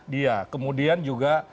dia kemudian juga